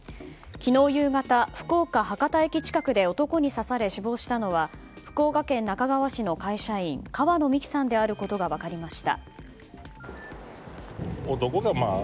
昨日夕方、福岡・博多駅近くで男に刺され死亡したのは福岡県那珂川市の会社員川野美樹さんであることが分かりました。